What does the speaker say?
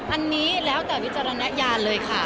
อันนี้แล้วแต่วิจารณญาณเลยค่ะ